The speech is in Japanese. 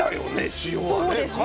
塩はね。